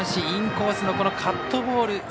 インコースのカットボール